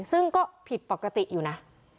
ซึ่งก็ผิดปกติอยู่นะ